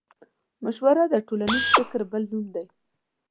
مشوره د ټولنيز فکر بل نوم دی.